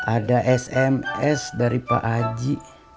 ada sms dari pak haji